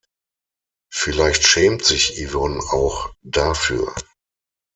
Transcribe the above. Vielleicht schämt sich Yvonne auch dafür.